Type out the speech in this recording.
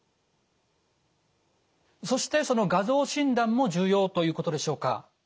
そしてその画像診断も重要ということでしょうか？